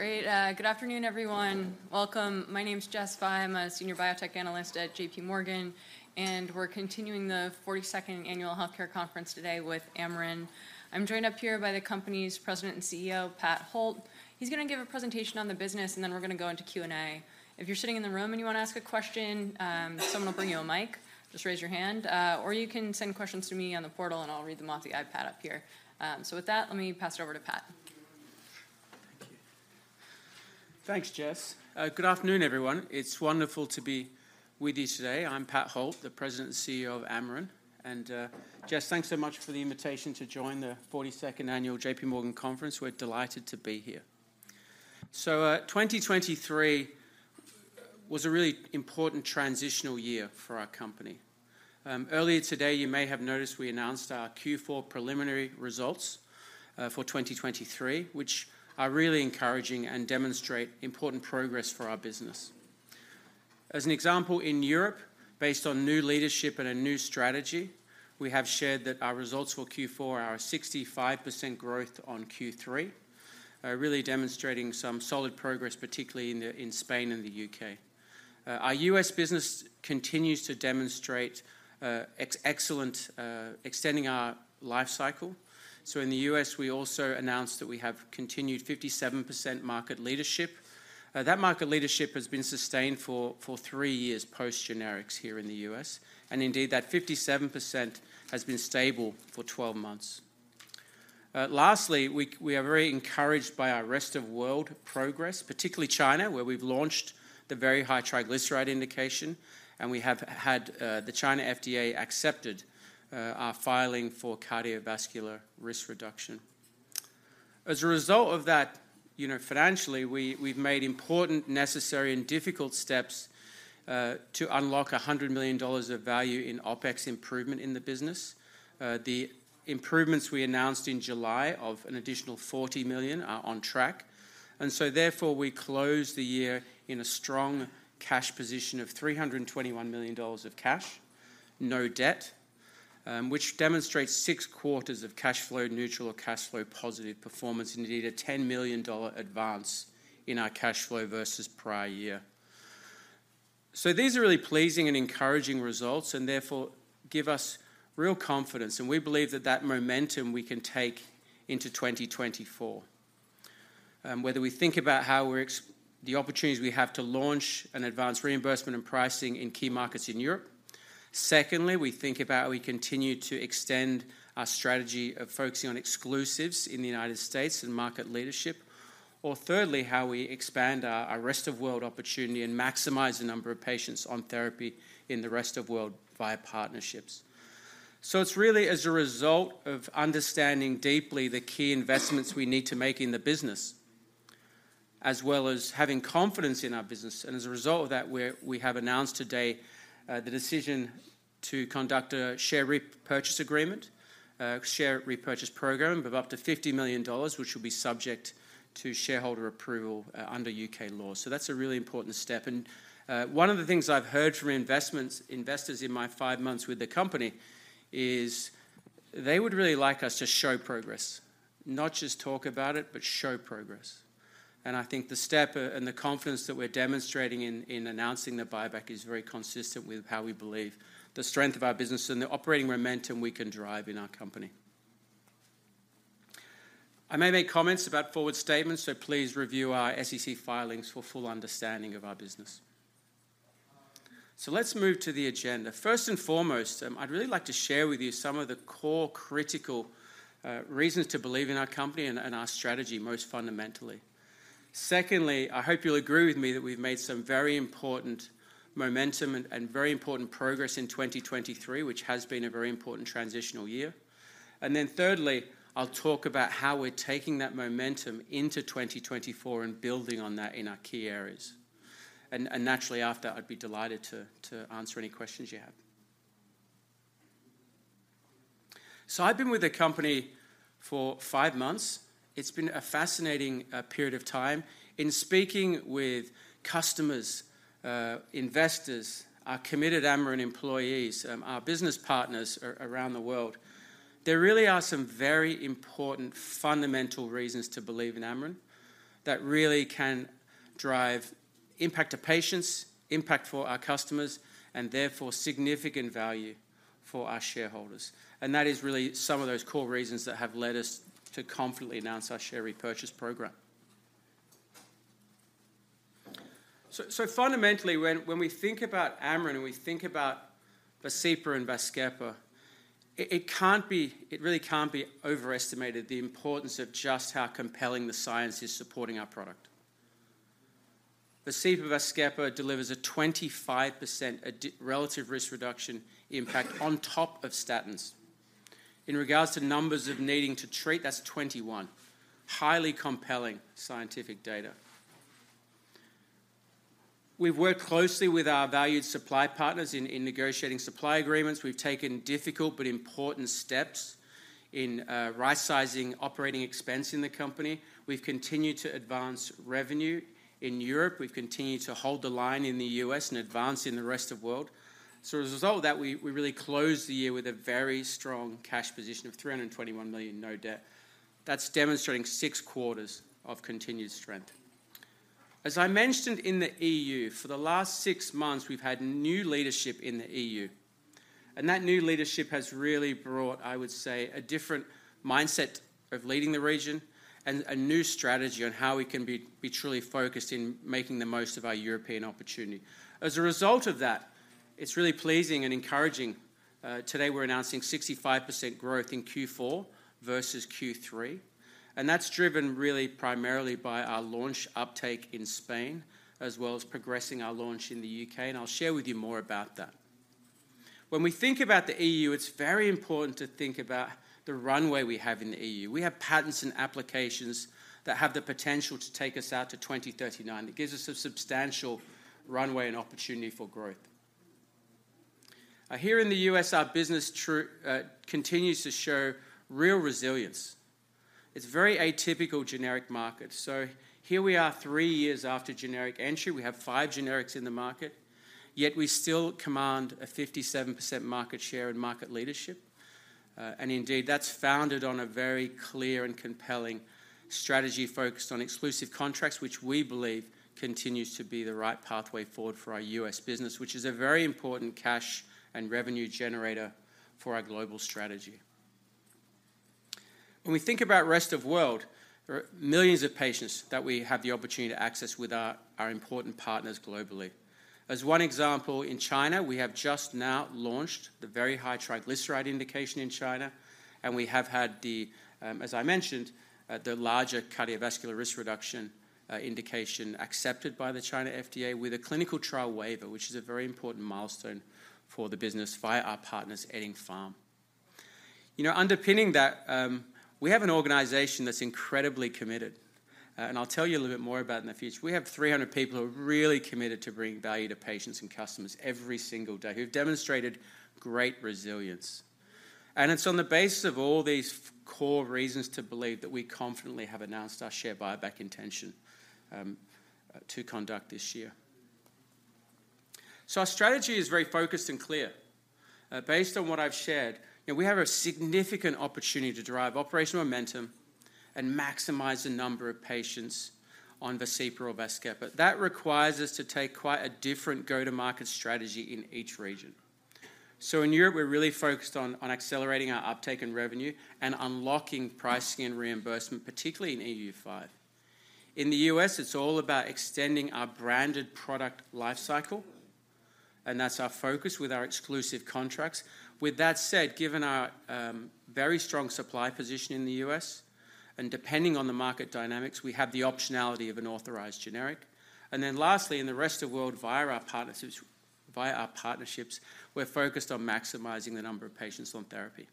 Great, good afternoon, everyone. Welcome. My name is Jessica Fye. I'm a senior biotech analyst at J.P. Morgan, and we're continuing the 42nd Annual Healthcare Conference today with Amarin. I'm joined up here by the company's president and CEO, Patrick Holt. He's gonna give a presentation on the business, and then we're gonna go into Q&A. If you're sitting in the room and you wanna ask a question, someone will bring you a mic. Just raise your hand, or you can send questions to me on the portal, and I'll read them off the iPad up here. So with that, let me pass it over to Pat. Thank you. Thanks, Jess. Good afternoon, everyone. It's wonderful to be with you today. I'm Pat Holt, the President and CEO of Amarin, and, Jess, thanks so much for the invitation to join the 42nd annual J.P. Morgan Conference. We're delighted to be here. So, 2023 was a really important transitional year for our company. Earlier today, you may have noticed we announced our Q4 preliminary results, for 2023, which are really encouraging and demonstrate important progress for our business. As an example, in Europe, based on new leadership and a new strategy, we have shared that our results for Q4 are a 65% growth on Q3, really demonstrating some solid progress, particularly in Spain and the U.K. Our U.S. business continues to demonstrate, excellent, extending our life cycle. So in the US, we also announced that we have continued 57% market leadership. That market leadership has been sustained for three years post-generics here in the US, and indeed, that 57% has been stable for 12 months. Lastly, we are very encouraged by our rest-of-world progress, particularly China, where we've launched the very high triglyceride indication, and we have had the China FDA accept our filing for cardiovascular risk reduction. As a result of that, you know, financially, we've made important, necessary, and difficult steps to unlock $100 million of value in OpEx improvement in the business. The improvements we announced in July of an additional $40 million are on track, and so therefore, we closed the year in a strong cash position of $321 million of cash, no debt, which demonstrates 6 quarters of cash flow neutral or cash flow positive performance, indeed, a $10 million advance in our cash flow versus prior year. So these are really pleasing and encouraging results, and therefore give us real confidence, and we believe that that momentum we can take into 2024. Whether we think about how we're the opportunities we have to launch and advance reimbursement and pricing in key markets in Europe. Secondly, we think about how we continue to extend our strategy of focusing on exclusives in the United States and market leadership, or thirdly, how we expand our rest-of-world opportunity and maximize the number of patients on therapy in the rest of world via partnerships. So it's really as a result of understanding deeply the key investments we need to make in the business, as well as having confidence in our business. And as a result of that, we have announced today the decision to conduct a share repurchase program of up to $50 million, which will be subject to shareholder approval under U.K. law. So that's a really important step, and one of the things I've heard from investors in my five months with the company is they would really like us to show progress, not just talk about it, but show progress. And I think the step and the confidence that we're demonstrating in announcing the buyback is very consistent with how we believe the strength of our business and the operating momentum we can drive in our company. I may make comments about forward statements, so please review our SEC filings for full understanding of our business. So let's move to the agenda. First and foremost, I'd really like to share with you some of the core critical reasons to believe in our company and our strategy, most fundamentally. Secondly, I hope you'll agree with me that we've made some very important momentum and very important progress in 2023, which has been a very important transitional year. Then thirdly, I'll talk about how we're taking that momentum into 2024 and building on that in our key areas. Naturally, after, I'd be delighted to answer any questions you have. So I've been with the company for 5 months. It's been a fascinating period of time. In speaking with customers, investors, our committed Amarin employees, our business partners around the world, there really are some very important, fundamental reasons to believe in Amarin, that really can drive impact to patients, impact for our customers, and therefore significant value for our shareholders. That is really some of those core reasons that have led us to confidently announce our share repurchase program. So fundamentally, when we think about Amarin, and we think about VASCEPA and VAZKEPA, it can't be. It really can't be overestimated, the importance of just how compelling the science is supporting our product. VASCEPA, VAZKEPA delivers a 25% relative risk reduction impact on top of statins. In regards to numbers of needing to treat, that's 21. Highly compelling scientific data. We've worked closely with our valued supply partners in negotiating supply agreements. We've taken difficult but important steps in right-sizing operating expense in the company. We've continued to advance revenue in Europe. We've continued to hold the line in the U.S. and advance in the rest of world. So as a result of that, we really closed the year with a very strong cash position of $321 million, no debt. That's demonstrating six quarters of continued strength. As I mentioned, in the EU, for the last six months, we've had new leadership in the EU, and that new leadership has really brought, I would say, a different mindset of leading the region and a new strategy on how we can be truly focused in making the most of our European opportunity. As a result of that, it's really pleasing and encouraging, today we're announcing 65% growth in Q4 versus Q3, and that's driven really primarily by our launch uptake in Spain, as well as progressing our launch in the U.K., and I'll share with you more about that. When we think about the E.U., it's very important to think about the runway we have in the E.U. We have patents and applications that have the potential to take us out to 2039. It gives us a substantial runway and opportunity for growth. Here in the U.S., our business continues to show real resilience. It's a very atypical generic market. Here we are, 3 years after generic entry, we have 5 generics in the market, yet we still command a 57% market share and market leadership. Indeed, that's founded on a very clear and compelling strategy focused on exclusive contracts, which we believe continues to be the right pathway forward for our U.S. business, which is a very important cash and revenue generator for our global strategy. When we think about rest of world, there are millions of patients that we have the opportunity to access with our important partners globally. As one example, in China, we have just now launched the very high triglyceride indication in China, and we have had the, as I mentioned, the larger cardiovascular risk reduction indication accepted by the China FDA with a clinical trial waiver, which is a very important milestone for the business via our partners, Eddingpharm. You know, underpinning that, we have an organization that's incredibly committed, and I'll tell you a little bit more about in the future. We have 300 people who are really committed to bringing value to patients and customers every single day, who've demonstrated great resilience. It's on the basis of all these core reasons to believe that we confidently have announced our share buyback intention to conduct this year. Our strategy is very focused and clear. Based on what I've shared, you know, we have a significant opportunity to drive operational momentum and maximize the number of patients on Vascepa or Vaskepa. That requires us to take quite a different go-to-market strategy in each region. In Europe, we're really focused on accelerating our uptake and revenue and unlocking pricing and reimbursement, particularly in EU5. In the U.S., it's all about extending our branded product life cycle, and that's our focus with our exclusive contracts. With that said, given our very strong supply position in the U.S., and depending on the market dynamics, we have the optionality of an authorized generic. Then lastly, in the rest of world, via our partnerships, via our partnerships, we're focused on maximizing the number of patients on therapy.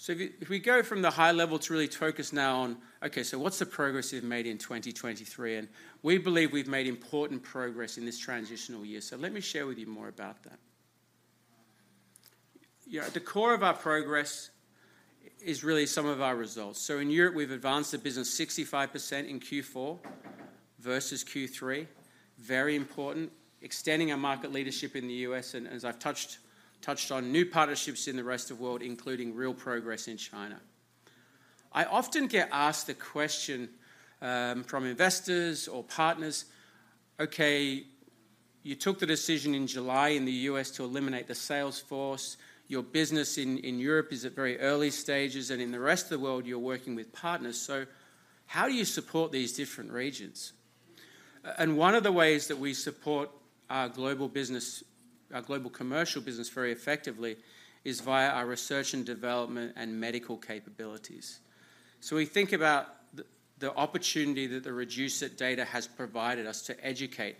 So if we go from the high level to really focus now on, okay, so what's the progress we've made in 2023? We believe we've made important progress in this transitional year. So let me share with you more about that. You know, at the core of our progress is really some of our results. So in Europe, we've advanced the business 65% in Q4 versus Q3. Very important, extending our market leadership in the U.S., and as I've touched on, new partnerships in the rest of world, including real progress in China. I often get asked the question, from investors or partners: "Okay, you took the decision in July in the U.S. to eliminate the sales force. Your business in Europe is at very early stages, and in the rest of the world, you're working with partners. So how do you support these different regions? And one of the ways that we support our global business, our global commercial business, very effectively is via our research and development and medical capabilities. So we think about the opportunity that the REDUCE-IT data has provided us to educate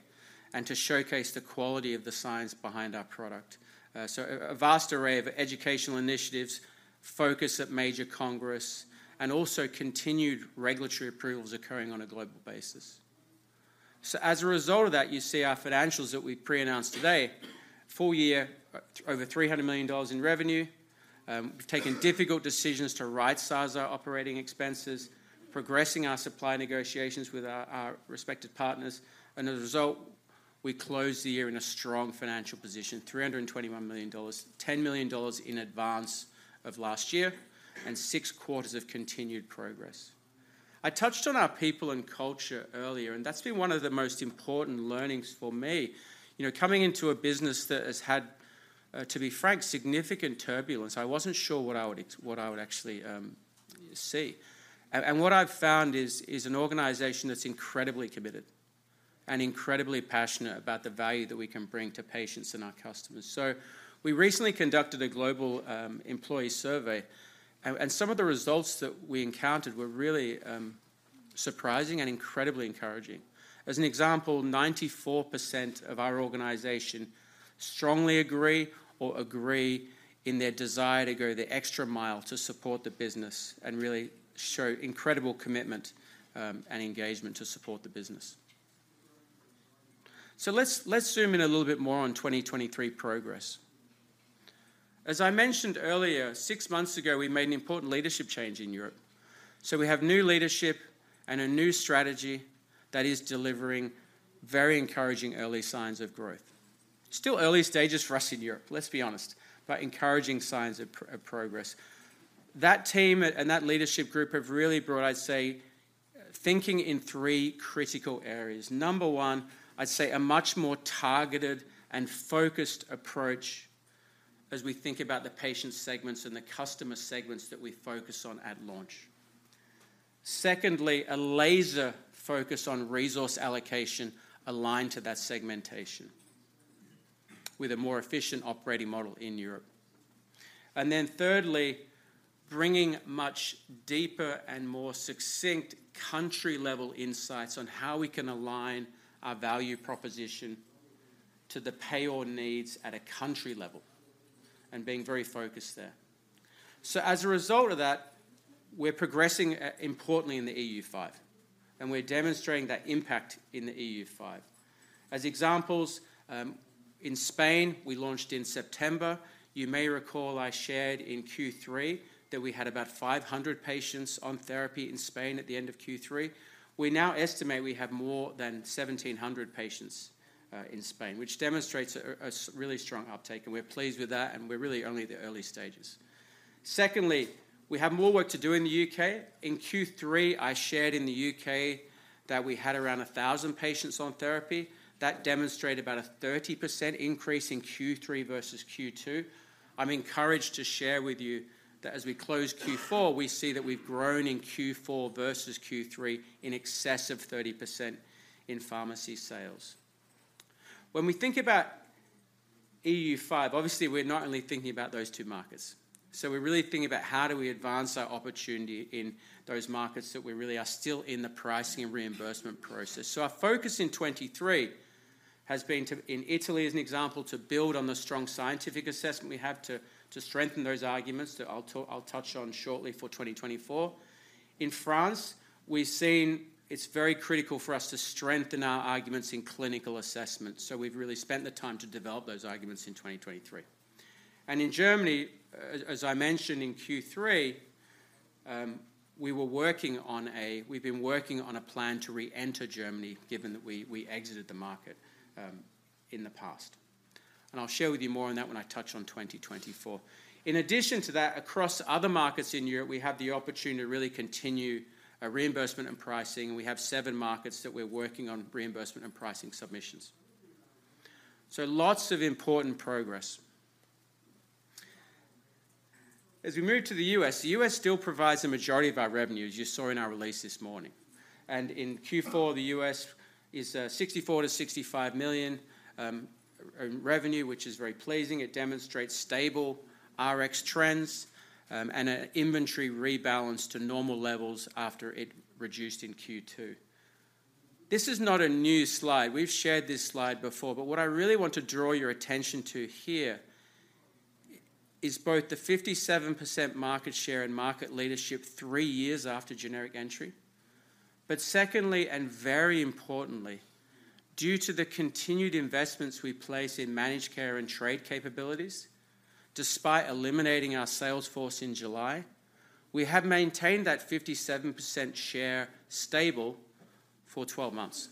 and to showcase the quality of the science behind our product. So a vast array of educational initiatives focus at major congress, and also continued regulatory approvals occurring on a global basis. So as a result of that, you see our financials that we pre-announced today, full year, over $300 million in revenue. We've taken difficult decisions to rightsize our operating expenses, progressing our supply negotiations with our respective partners, and as a result, we closed the year in a strong financial position, $321 million, $10 million in advance of last year, and six quarters of continued progress. I touched on our people and culture earlier, and that's been one of the most important learnings for me. You know, coming into a business that has had, to be frank, significant turbulence, I wasn't sure what I would actually see. And what I've found is an organization that's incredibly committed and incredibly passionate about the value that we can bring to patients and our customers. So we recently conducted a global employee survey, and some of the results that we encountered were really surprising and incredibly encouraging. As an example, 94% of our organization strongly agree or agree in their desire to go the extra mile to support the business and really show incredible commitment and engagement to support the business. So let's zoom in a little bit more on 2023 progress. As I mentioned earlier, six months ago, we made an important leadership change in Europe. So we have new leadership and a new strategy that is delivering very encouraging early signs of growth. Still early stages for us in Europe, let's be honest, but encouraging signs of progress. That team and that leadership group have really brought, I'd say, thinking in three critical areas. Number one, I'd say a much more targeted and focused approach as we think about the patient segments and the customer segments that we focus on at launch. Secondly, a laser focus on resource allocation aligned to that segmentation, with a more efficient operating model in Europe. And then thirdly, bringing much deeper and more succinct country-level insights on how we can align our value proposition to the payer needs at a country level, and being very focused there. So as a result of that, we're progressing importantly in the EU5, and we're demonstrating that impact in the EU5. As examples, in Spain, we launched in September. You may recall I shared in Q3 that we had about 500 patients on therapy in Spain at the end of Q3. We now estimate we have more than 1,700 patients in Spain, which demonstrates a really strong uptake, and we're pleased with that, and we're really only at the early stages. Secondly, we have more work to do in the UK. In Q3, I shared in the UK that we had around 1,000 patients on therapy. That demonstrated about a 30% increase in Q3 versus Q2. I'm encouraged to share with you that as we close Q4, we see that we've grown in Q4 versus Q3 in excess of 30% in pharmacy sales. When we think about EU5, obviously we're not only thinking about those two markets. So we're really thinking about how do we advance our opportunity in those markets that we really are still in the pricing and reimbursement process. So our focus in 2023 has been to, in Italy, as an example, to build on the strong scientific assessment we have to, to strengthen those arguments that I'll talk... I'll touch on shortly for 2024. In France, we've seen it's very critical for us to strengthen our arguments in clinical assessments, so we've really spent the time to develop those arguments in 2023. And in Germany, as I mentioned in Q3, we've been working on a plan to re-enter Germany, given that we exited the market in the past. And I'll share with you more on that when I touch on 2024. In addition to that, across other markets in Europe, we have the opportunity to really continue our reimbursement and pricing, and we have seven markets that we're working on reimbursement and pricing submissions. So lots of important progress. As we move to the U.S., the U.S. still provides the majority of our revenue, as you saw in our release this morning. In Q4, the U.S. is 64 to 65 million in revenue, which is very pleasing. It demonstrates stable Rx trends and an inventory rebalance to normal levels after it reduced in Q2. This is not a new slide. We've shared this slide before, but what I really want to draw your attention to here is both the 57% market share and market leadership three years after generic entry, but secondly, and very importantly, due to the continued investments we place in managed care and trade capabilities, despite eliminating our sales force in July, we have maintained that 57% share stable for 12 months.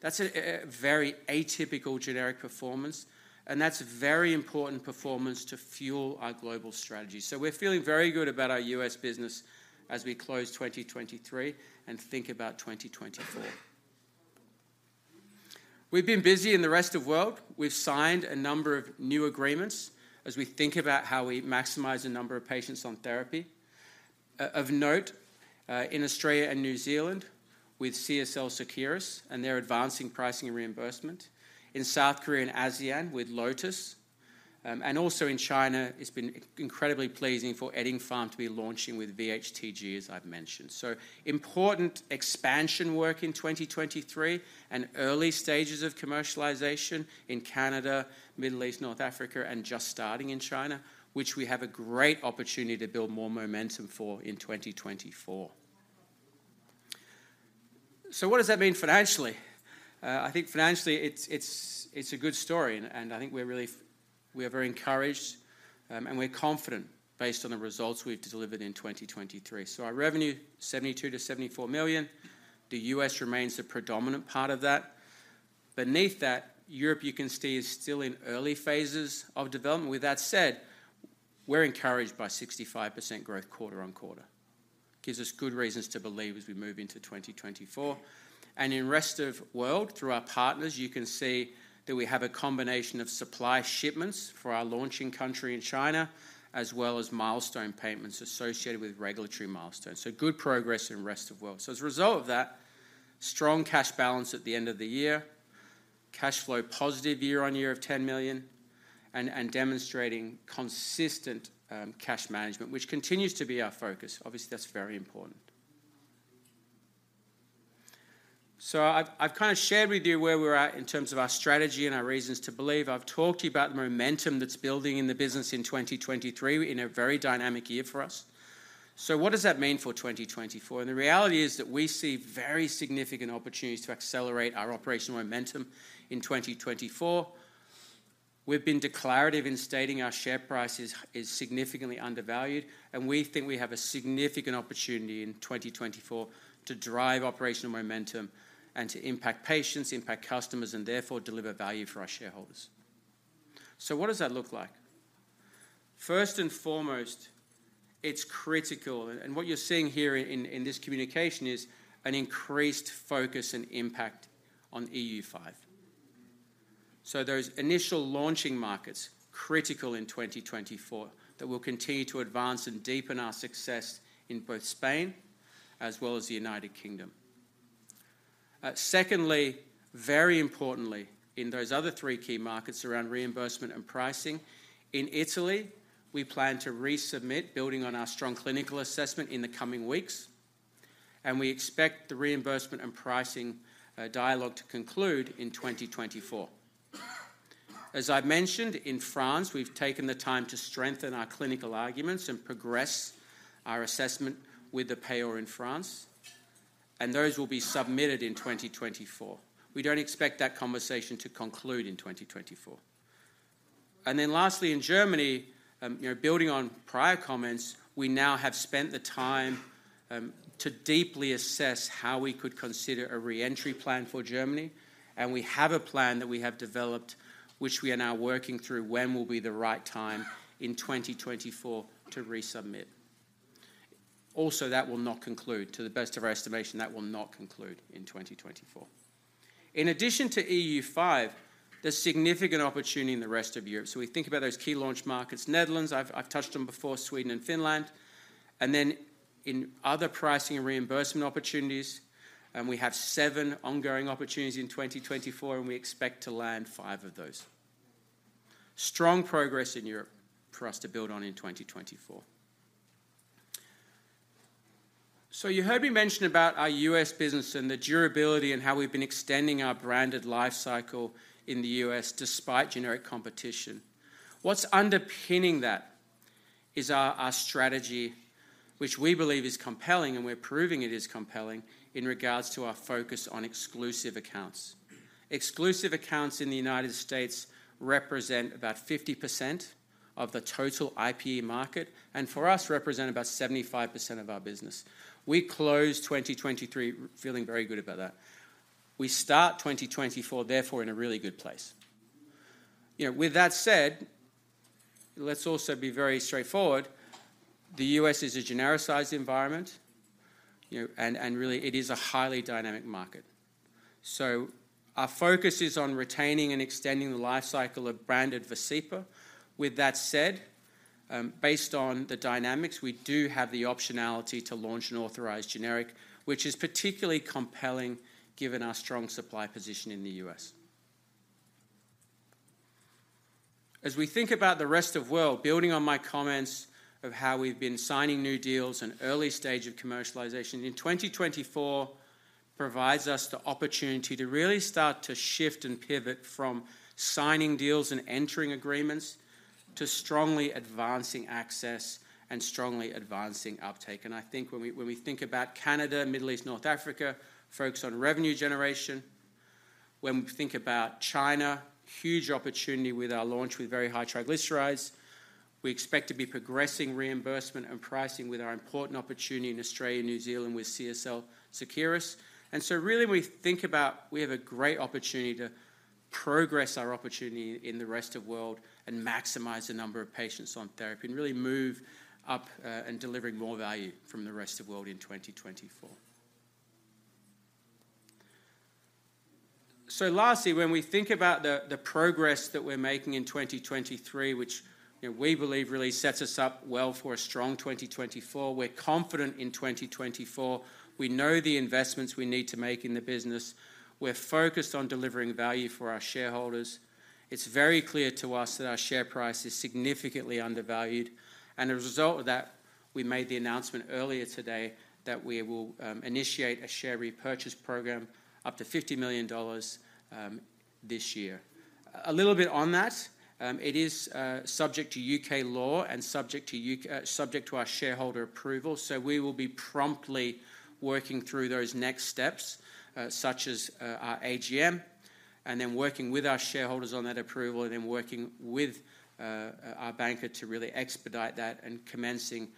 That's a very atypical generic performance, and that's very important performance to fuel our global strategy. So we're feeling very good about our U.S. business as we close 2023 and think about 2024. We've been busy in the rest of world. We've signed a number of new agreements as we think about how we maximize the number of patients on therapy. Of note, in Australia and New Zealand with CSL Seqirus, and they're advancing pricing and reimbursement. In South Korea and ASEAN with Lotus, and also in China, it's been incredibly pleasing for Eddingpharm to be launching with VHTG, as I've mentioned. So important expansion work in 2023, and early stages of commercialization in Canada, Middle East, North Africa, and just starting in China, which we have a great opportunity to build more momentum for in 2024. So what does that mean financially? I think financially, it's a good story, and I think we are very encouraged, and we're confident based on the results we've delivered in 2023. So our revenue, $72 million to $74 million. The U.S. remains the predominant part of that. Beneath that, Europe, you can see, is still in early phases of development. With that said, we're encouraged by 65% growth quarter-over-quarter. Gives us good reasons to believe as we move into 2024. And in rest of world, through our partners, you can see that we have a combination of supply shipments for our launching country in China, as well as milestone payments associated with regulatory milestones. So good progress in rest of world. So as a result of that, strong cash balance at the end of the year, cash flow positive year-over-year of $10 million, and demonstrating consistent cash management, which continues to be our focus. Obviously, that's very important. So I've kind of shared with you where we're at in terms of our strategy and our reasons to believe. I've talked to you about the momentum that's building in the business in 2023, in a very dynamic year for us. So what does that mean for 2024? And the reality is that we see very significant opportunities to accelerate our operational momentum in 2024. We've been declarative in stating our share price is significantly undervalued, and we think we have a significant opportunity in 2024 to drive operational momentum and to impact patients, impact customers, and therefore deliver value for our shareholders. So what does that look like? First and foremost, it's critical, and what you're seeing here in this communication is an increased focus and impact on EU5. So those initial launching markets, critical in 2024, that will continue to advance and deepen our success in both Spain as well as the United Kingdom. Secondly, very importantly, in those other three key markets around reimbursement and pricing, in Italy, we plan to resubmit, building on our strong clinical assessment in the coming weeks, and we expect the reimbursement and pricing dialogue to conclude in 2024. As I've mentioned, in France, we've taken the time to strengthen our clinical arguments and progress our assessment with the payer in France, and those will be submitted in 2024. We don't expect that conversation to conclude in 2024. Then lastly, in Germany, you know, building on prior comments, we now have spent the time to deeply assess how we could consider a re-entry plan for Germany, and we have a plan that we have developed, which we are now working through when will be the right time in 2024 to resubmit. Also, that will not conclude. To the best of our estimation, that will not conclude in 2024. In addition to EU5, there's significant opportunity in the rest of Europe. So we think about those key launch markets, Netherlands, I've touched on before, Sweden and Finland, and then in other pricing and reimbursement opportunities, we have seven ongoing opportunities in 2024, and we expect to land five of those. Strong progress in Europe for us to build on in 2024. So you heard me mention about our U.S. business and the durability and how we've been extending our branded life cycle in the U.S. despite generic competition. What's underpinning that is our, our strategy, which we believe is compelling, and we're proving it is compelling, in regards to our focus on exclusive accounts. Exclusive accounts in the United States represent about 50% of the total IPE market, and for us, represent about 75% of our business. We closed 2023 feeling very good about that. We start 2024, therefore, in a really good place. You know, with that said, let's also be very straightforward. The U.S. is a genericized environment, you know, and, and really, it is a highly dynamic market. So our focus is on retaining and extending the life cycle of branded VASCEPA. With that said, based on the dynamics, we do have the optionality to launch an authorized generic, which is particularly compelling given our strong supply position in the U.S. As we think about the rest of world, building on my comments of how we've been signing new deals and early stage of commercialization, in 2024 provides us the opportunity to really start to shift and pivot from signing deals and entering agreements to strongly advancing access and strongly advancing uptake. And I think when we think about Canada, Middle East, North Africa, focus on revenue generation. When we think about China, huge opportunity with our launch with very high triglycerides. We expect to be progressing reimbursement and pricing with our important opportunity in Australia and New Zealand with CSL Seqirus. So really, we think about we have a great opportunity to progress our opportunity in the rest of world and maximize the number of patients on therapy, and really move up in delivering more value from the rest of world in 2024. So lastly, when we think about the progress that we're making in 2023, which, you know, we believe really sets us up well for a strong 2024, we're confident in 2024. We know the investments we need to make in the business. We're focused on delivering value for our shareholders. It's very clear to us that our share price is significantly undervalued, and a result of that, we made the announcement earlier today that we will initiate a share repurchase program up to $50 million this year. A little bit on that, it is, subject to U.K. law and subject to U.K.- subject to our shareholder approval, so we will be promptly working through those next steps, such as, our AGM, and then working with our shareholders on that approval, and then working with, our banker to really expedite that, and commencing,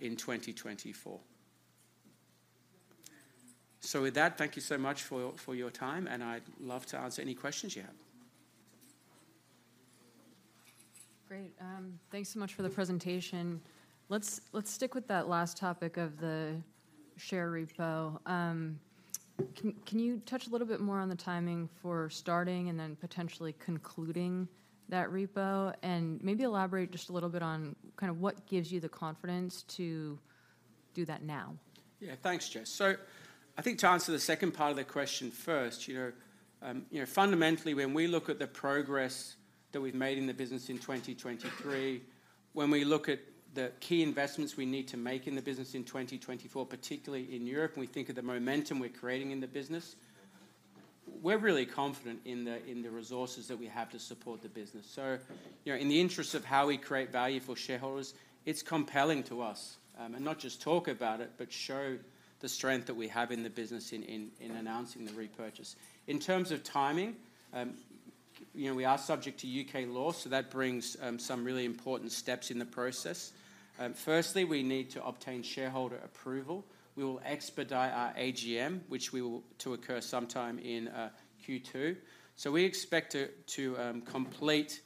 in 2024. So with that, thank you so much for your, for your time, and I'd love to answer any questions you have. Great. Thanks so much for the presentation. Let's stick with that last topic of the share repo. Can you touch a little bit more on the timing for starting and then potentially concluding that repo? And maybe elaborate just a little bit on kind of what gives you the confidence to do that now. Yeah. Thanks, Jess. So I think to answer the second part of the question first, you know, you know, fundamentally, when we look at the progress that we've made in the business in 2023, when we look at the key investments we need to make in the business in 2024, particularly in Europe, when we think of the momentum we're creating in the business, we're really confident in the resources that we have to support the business. You know, in the interest of how we create value for shareholders, it's compelling to us. And not just talk about it, but show the strength that we have in the business in announcing the repurchase. In terms of timing, you know, we are subject to U.K. law, so that brings some really important steps in the process. Firstly, we need to obtain shareholder approval. We will expedite our AGM to occur sometime in Q2. So we expect it to complete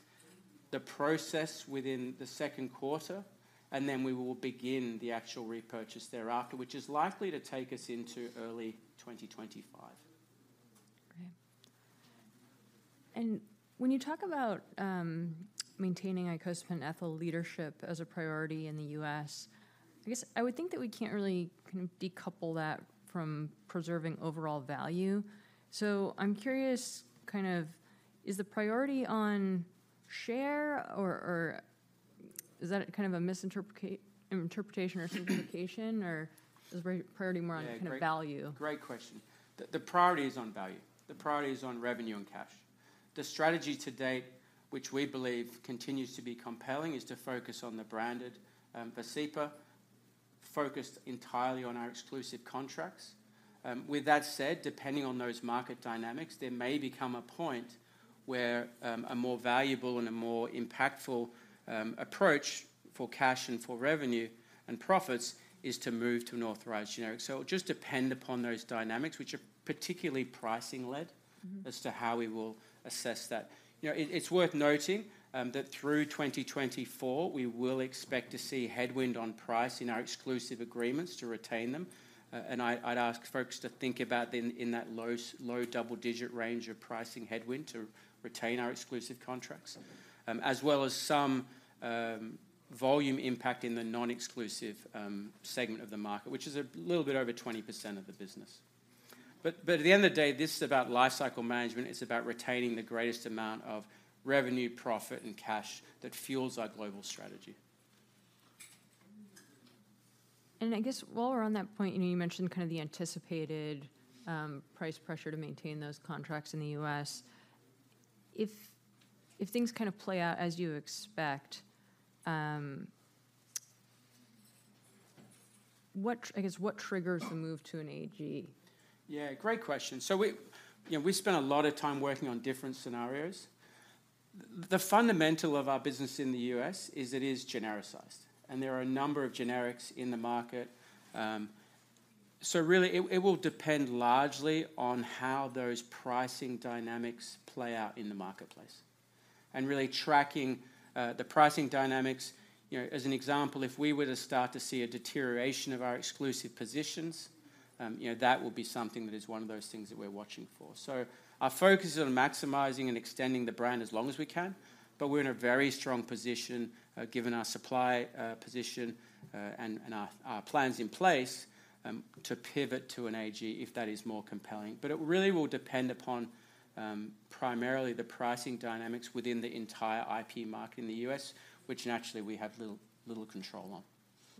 the process within the second quarter, and then we will begin the actual repurchase thereafter, which is likely to take us into early 2025. Great. And when you talk about maintaining icosapent ethyl leadership as a priority in the U.S., I guess I would think that we can't really kind of decouple that from preserving overall value. So I'm curious, kind of, is the priority on share, or is that kind of a misinterpretation or communication? Or is the priority more on kind of value? Yeah, great question. The priority is on value. The priority is on revenue and cash. The strategy to date, which we believe continues to be compelling, is to focus on the branded Vascepa, focused entirely on our exclusive contracts. With that said, depending on those market dynamics, there may become a point where a more valuable and a more impactful approach for cash and for revenue and profits is to move to an authorized generic. So it'll just depend upon those dynamics, which are particularly pricing-led- Mm-hmm... as to how we will assess that. You know, it's worth noting that through 2024, we will expect to see headwind on price in our exclusive agreements to retain them. And I'd ask folks to think about in that low-double-digit range of pricing headwind to retain our exclusive contracts, as well as some volume impact in the non-exclusive segment of the market, which is a little bit over 20% of the business. But at the end of the day, this is about lifecycle management. It's about retaining the greatest amount of revenue, profit, and cash that fuels our global strategy. I guess while we're on that point, you know, you mentioned kind of the anticipated price pressure to maintain those contracts in the U.S. If things kind of play out as you expect, what... I guess, what triggers the move to an AG? Yeah, great question. So we, you know, we spent a lot of time working on different scenarios. The fundamental of our business in the U.S. is it is genericized, and there are a number of generics in the market. So really, it will depend largely on how those pricing dynamics play out in the marketplace, and really tracking the pricing dynamics. You know, as an example, if we were to start to see a deterioration of our exclusive positions, you know, that would be something that is one of those things that we're watching for. So our focus is on maximizing and extending the brand as long as we can, but we're in a very strong position, given our supply position, and our plans in place, to pivot to an AG, if that is more compelling. It really will depend upon primarily the pricing dynamics within the entire IPE market in the U.S., which naturally we have little control on.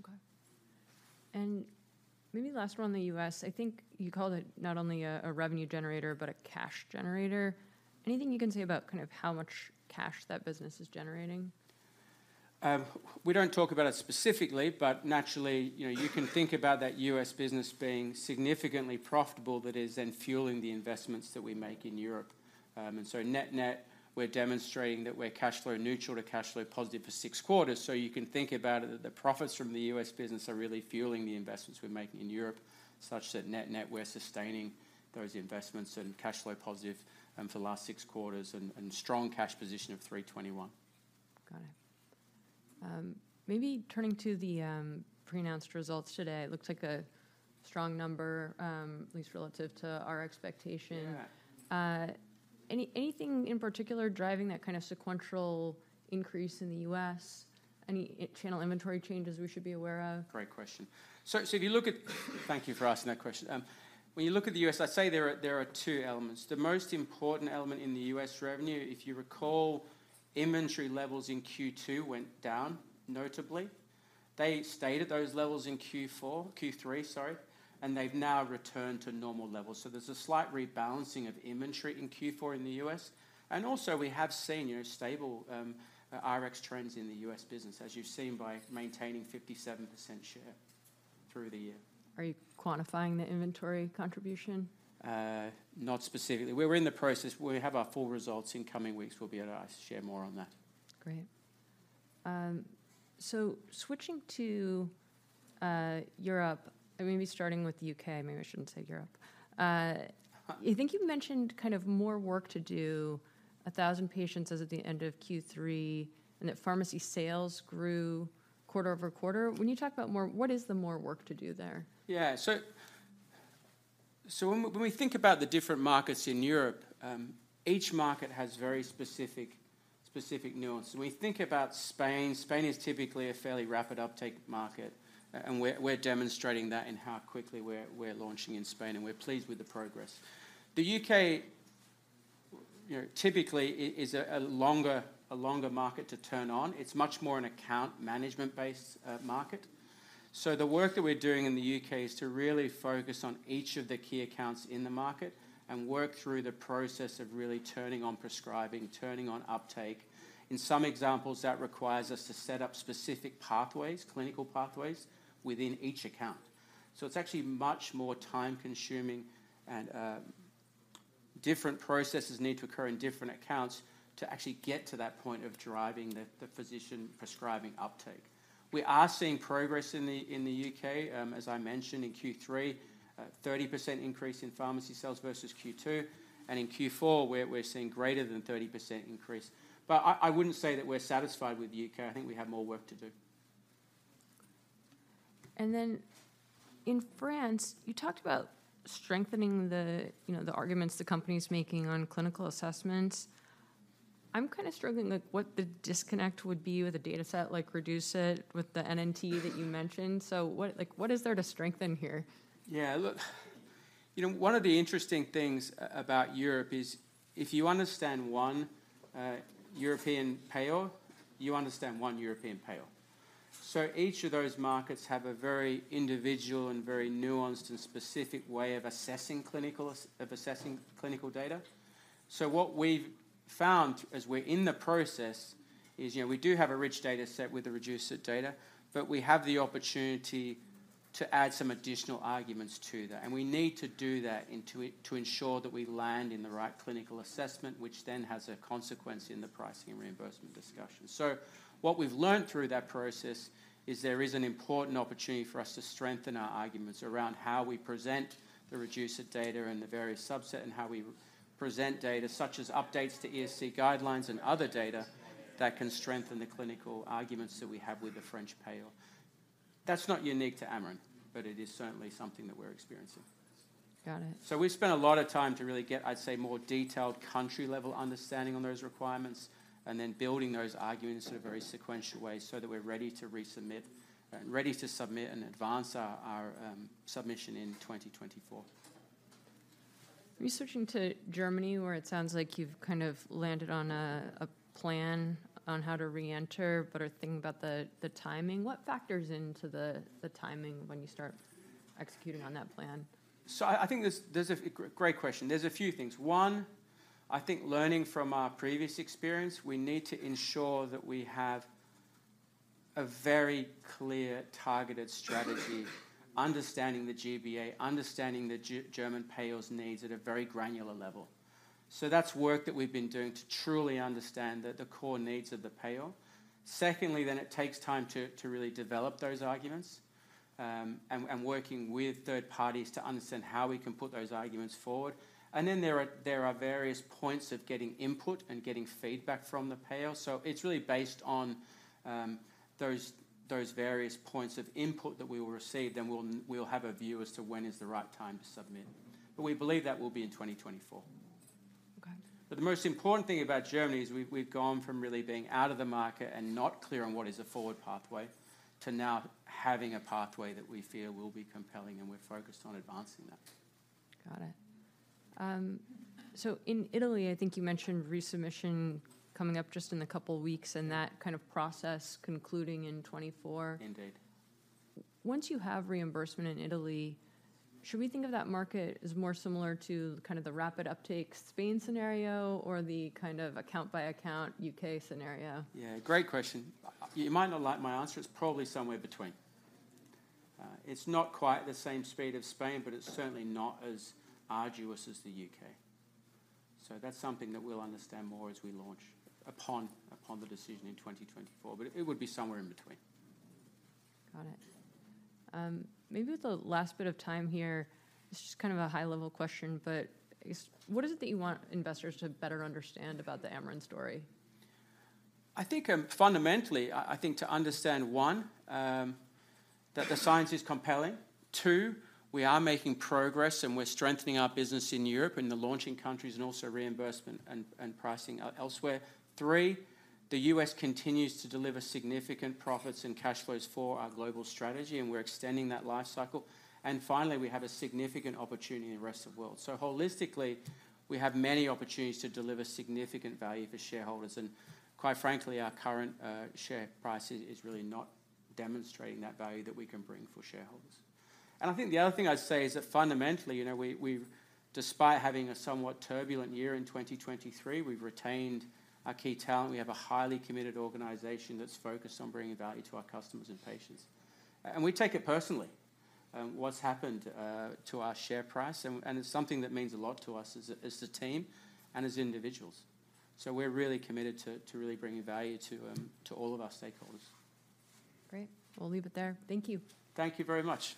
Okay. And maybe last one on the U.S. I think you called it not only a revenue generator, but a cash generator. Anything you can say about kind of how much cash that business is generating? We don't talk about it specifically, but naturally, you know, you can think about that U.S. business being significantly profitable that is then fueling the investments that we make in Europe. And so net-net, we're demonstrating that we're cash flow neutral to cash flow positive for six quarters. So you can think about it that the profits from the U.S. business are really fueling the investments we're making in Europe, such that net-net, we're sustaining those investments and cash flow positive, for the last six quarters, and strong cash position of $321 million. Got it. Maybe turning to the preannounced results today, it looks like a strong number, at least relative to our expectation. Yeah. Anything in particular driving that kind of sequential increase in the U.S.? Any channel inventory changes we should be aware of? Great question. Thank you for asking that question. When you look at the US, I'd say there are two elements. The most important element in the US revenue, if you recall, inventory levels in Q2 went down, notably. They stayed at those levels in Q4 to Q3, sorry, and they've now returned to normal levels. So there's a slight rebalancing of inventory in Q4 in the US. And also, we have seen, you know, stable Rx trends in the US business, as you've seen, by maintaining 57% share through the year. Are you quantifying the inventory contribution? Not specifically. We're in the process. We have our full results. In coming weeks, we'll be able to share more on that. Great. So switching to Europe, and maybe starting with the UK, maybe I shouldn't say Europe. Uh... I think you mentioned kind of more work to do, 1,000 patients as at the end of Q3, and that pharmacy sales grew quarter-over-quarter. When you talk about more, what is the more work to do there? Yeah, so when we think about the different markets in Europe, each market has very specific nuance. When we think about Spain, Spain is typically a fairly rapid uptake market, and we're demonstrating that in how quickly we're launching in Spain, and we're pleased with the progress. The UK, you know, typically is a longer market to turn on. It's much more an account management-based market. So the work that we're doing in the UK is to really focus on each of the key accounts in the market and work through the process of really turning on prescribing, turning on uptake. In some examples, that requires us to set up specific pathways, clinical pathways, within each account. So it's actually much more time-consuming, and different processes need to occur in different accounts to actually get to that point of driving the physician prescribing uptake. We are seeing progress in the U.K. As I mentioned, in Q3, 30% increase in pharmacy sales versus Q2, and in Q4, we're seeing greater than 30% increase. But I wouldn't say that we're satisfied with the U.K. I think we have more work to do. In France, you talked about strengthening the, you know, the arguments the company's making on clinical assessments. I'm kind of struggling with what the disconnect would be with a dataset like REDUCE-IT, with the NNT that you mentioned. So what... Like, what is there to strengthen here? Yeah, look, you know, one of the interesting things about Europe is, if you understand one European payer, you understand one European payer. So each of those markets have a very individual and very nuanced and specific way of assessing clinical, of assessing clinical data. So what we've found as we're in the process is, you know, we do have a rich dataset with the REDUCE-IT data, but we have the opportunity to add some additional arguments to that. And we need to do that into it to ensure that we land in the right clinical assessment, which then has a consequence in the pricing and reimbursement discussion. So what we've learned through that process is there is an important opportunity for us to strengthen our arguments around how we present the REDUCE-IT data and the various subset, and how we present data, such as updates to ESC guidelines and other data, that can strengthen the clinical arguments that we have with the French payer. That's not unique to Amarin, but it is certainly something that we're experiencing. Got it. We've spent a lot of time to really get, I'd say, more detailed country-level understanding on those requirements, and then building those arguments in a very sequential way so that we're ready to resubmit, ready to submit and advance our submission in 2024. Researching to Germany, where it sounds like you've kind of landed on a plan on how to re-enter, but are thinking about the timing. What factors into the timing when you start executing on that plan? So I think there's a great question. There's a few things. One, I think learning from our previous experience, we need to ensure that we have a very clear, targeted strategy, understanding the G-BA, understanding the German payer's needs at a very granular level. So that's work that we've been doing to truly understand the core needs of the payer. Secondly, then it takes time to really develop those arguments, and working with third parties to understand how we can put those arguments forward. And then there are various points of getting input and getting feedback from the payer. So it's really based on those various points of input that we will receive, then we'll have a view as to when is the right time to submit. But we believe that will be in 2024. Okay. But the most important thing about Germany is we've gone from really being out of the market and not clear on what is a forward pathway, to now having a pathway that we feel will be compelling, and we're focused on advancing that. Got it. So in Italy, I think you mentioned resubmission coming up just in a couple weeks, and that kind of process concluding in 2024. Indeed. Once you have reimbursement in Italy, should we think of that market as more similar to kind of the rapid uptake Spain scenario or the kind of account-by-account UK scenario? Yeah, great question. You might not like my answer. It's probably somewhere between. It's not quite the same speed of Spain, but it's certainly not as arduous as the UK. So that's something that we'll understand more as we launch upon the decision in 2024, but it would be somewhere in between. Got it. Maybe with the last bit of time here, it's just kind of a high-level question, but I guess, what is it that you want investors to better understand about the Amarin story? I think, fundamentally, I think to understand, one, that the science is compelling. Two, we are making progress, and we're strengthening our business in Europe in the launching countries and also reimbursement and pricing elsewhere. Three, the US continues to deliver significant profits and cash flows for our global strategy, and we're extending that life cycle. And finally, we have a significant opportunity in the rest of world. So holistically, we have many opportunities to deliver significant value for shareholders, and quite frankly, our current share price is really not demonstrating that value that we can bring for shareholders. And I think the other thing I'd say is that fundamentally, you know, despite having a somewhat turbulent year in 2023, we've retained our key talent. We have a highly committed organization that's focused on bringing value to our customers and patients. We take it personally, what's happened to our share price, and it's something that means a lot to us as a team and as individuals. We're really committed to really bringing value to all of our stakeholders. Great. We'll leave it there. Thank you. Thank you very much.